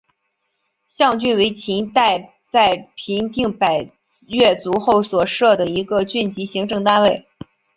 象郡为秦代在平定百越族后所设的一个郡级行政单位。